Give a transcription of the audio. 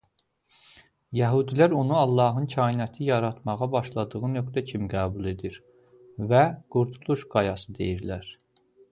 Yəhudilər onu Allahın kainatı yaratmağa başladığı nöqtə kimi qəbul edir və "Qurtuluş qayası" deyirlər.